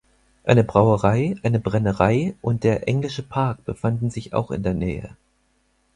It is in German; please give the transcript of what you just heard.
Eine Brauerei, eine Brennerei und der englische Park befanden sich auch in der Nähe.